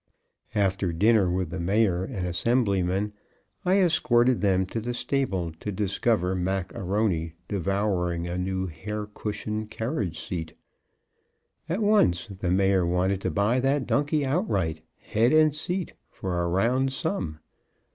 After dinner with the Mayor and Assemblyman, I escorted them to the stable to discover Mac A'Rony devouring a new hair cushioned carriage seat. At once the Mayor wanted to buy that donkey outright, head and seat, for a round sum.